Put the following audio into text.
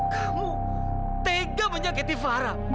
kamu tega menyakiti farah